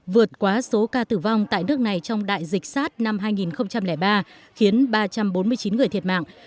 vượt quá số ca tử vong tại nước này trong đại dịch sars năm hai nghìn ba khiến ba trăm bốn mươi chín người thiệt mạng